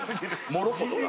モロコとか。